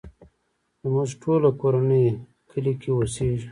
زموږ ټوله کورنۍ کلی کې اوسيږې.